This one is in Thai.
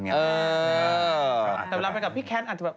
เพราะลับไปกับพี่แคท